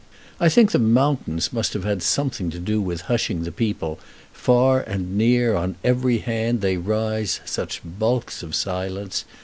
I think the mountains must have had something to do with hushing the people: far and near, on every hand, they rise such bulks of silence.